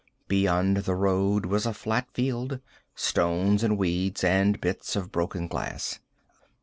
Beyond the road was a flat field. Stones and weeds, and bits of broken glass.